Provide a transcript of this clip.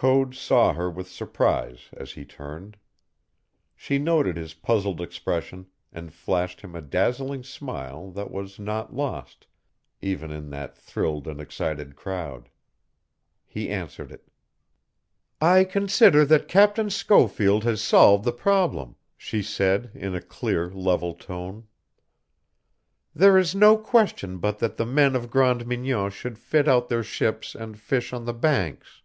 Code saw her with surprise as he turned. She noted his puzzled expression and flashed him a dazzling smile that was not lost, even in that thrilled and excited crowd. He answered it. "I consider that Captain Schofield has solved the problem," she said in a clear, level tone. "There is no question but that the men of Grande Mignon should fit out their ships and fish on the Banks.